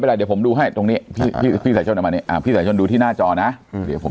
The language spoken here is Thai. เป็นไรเดี๋ยวผมดูให้ตรงนี้พี่สายชนดูที่หน้าจอนะเดี๋ยวผม